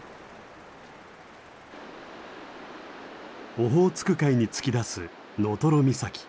オホーツク海に突き出す能取岬。